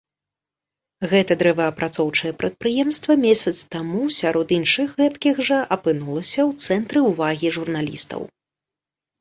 Гэтае дрэваапрацоўчае прадпрыемства месяц таму сярод іншых гэткіх жа апынулася ў цэнтры ўвагі журналістаў.